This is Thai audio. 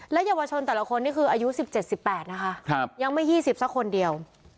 และยาวชนแต่ละคนนี่คืออายุสิบเจ็ดสิบแปดนะคะยังไม่ยี่สิบสักคนเดียว